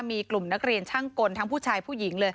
มีกลุ่มนักเรียนช่างกลทั้งผู้ชายผู้หญิงเลย